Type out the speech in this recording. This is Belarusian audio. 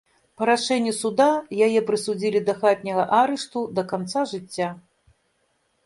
Па рашэнню суда яе прысудзілі да хатняга арышту да канца жыцця.